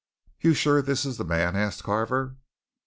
"You're sure this is the man?" asked Carver.